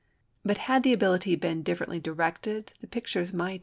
But had the ability been differently directed, the pictures might have been good.